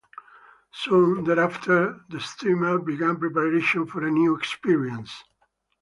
Soon thereafter, the steamer began preparation for a new experience.